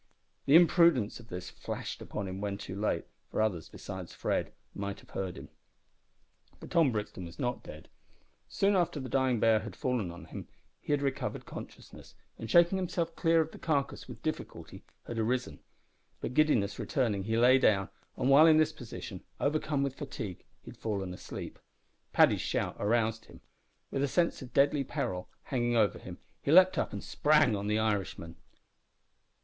The imprudence of this flashed upon him when too late, for others, besides Fred, might have heard him. But Tom Brixton was not dead. Soon after the dying bear had fallen on him, he recovered consciousness, and shaking himself clear of the carcass with difficulty had arisen; but, giddiness returning, he lay down, and while in this position, overcome with fatigue, had fallen asleep. Paddy's shout aroused him. With a sense of deadly peril hanging over him he leaped up and sprang on the Irishman.